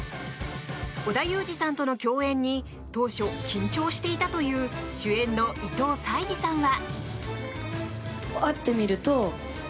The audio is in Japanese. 織田裕二さんとの共演に当初、緊張していたという主演の伊藤沙莉さんは。